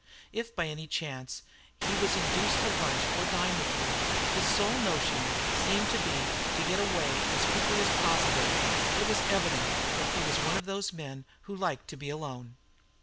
If by any chance he was induced to lunch or dine with you, his sole notion seemed to be to get away as quickly as possible. It was evident that he was one of those men who like to be alone.